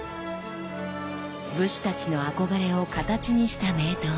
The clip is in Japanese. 武士たちの憧れを形にした名刀。